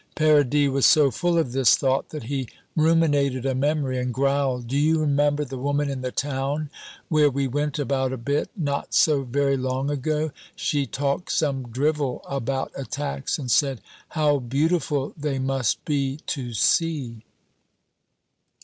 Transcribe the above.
Paradis was so full of this thought that he ruminated a memory, and growled, "D'you remember the woman in the town where we went about a bit not so very long ago? She talked some drivel about attacks, and said, 'How beautiful they must be to see!'"